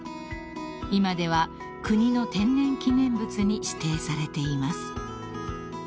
［今では国の天然記念物に指定されています］